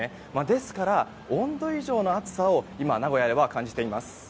ですから、温度以上の暑さを名古屋では感じています。